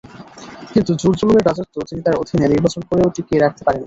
কিন্তু জোর-জুলুমের রাজত্ব তিনি তাঁর অধীনে নির্বাচন করেও টিকিয়ে রাখতে পারেননি।